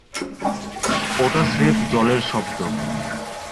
ওটা স্রেফ জলের শব্দ।